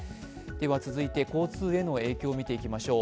続いて、交通への影響を見ていきましょう。